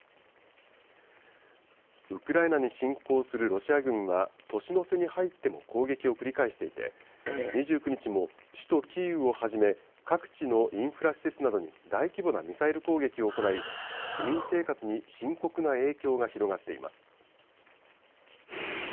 ウクライナに侵攻するロシア軍は年の瀬に入っても攻撃を繰り返していて、２９日も、首都キーウをはじめ、各地のインフラ施設などに大規模なミサイル攻撃を行い、市民生活に深刻な影響が広がっています。